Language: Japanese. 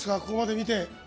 ここまで見て。